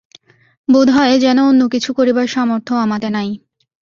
বোধ হয় যেন অন্য কিছু করিবার সামর্থ্যও আমাতে নাই।